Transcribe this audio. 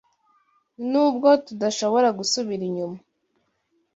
Nubwo tudashobora gusubira inyuma